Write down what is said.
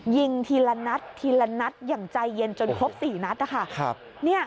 ยิงทีละนัดทีละนัดอย่างใจเย็นจนครบ๔นัดนะคะ